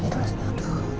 nanti rumah gue berbunyi